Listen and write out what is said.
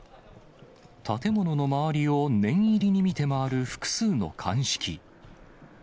建物の周りを念入りに見て回る複数の鑑識。